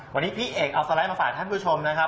วันนี้พี่เอกเอาสไลด์มาฝากท่านผู้ชมนะครับ